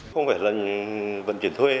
không phải là vận chuyển thuê